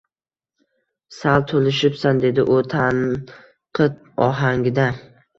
Sal toʻlishibsan, – dedi u tanqid ohangida.